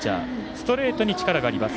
ストレートに力があります。